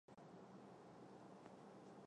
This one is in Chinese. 巴巴多斯岛主要由石灰石构成。